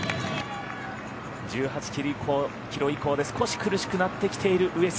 １８キロ以降で少し苦しくなってきている上杉。